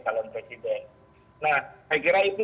calon presiden nah saya kira itu